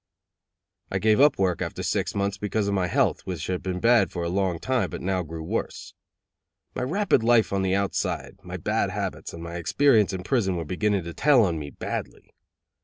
I gave up work after six months because of my health, which had been bad for a long time, but now grew worse. My rapid life on the outside, my bad habits, and my experience in prison were beginning to tell on me badly.